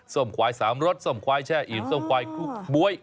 ส้มควายสามรสส้มควายแช่อิ่มส้มควายคุกบ๊วย